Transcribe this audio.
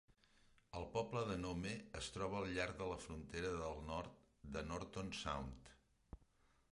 El poble de Nome es troba al llarg de la frontera del nord de Norton Sound.